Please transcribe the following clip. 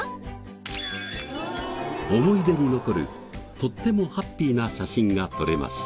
思い出に残るとってもハッピーな写真が撮れました。